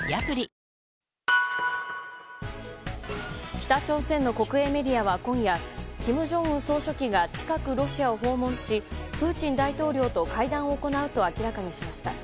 北朝鮮の国営メディアは今夜金正恩総書記が近く、ロシアを訪問しプーチン大統領と会談を行うと明らかにしました。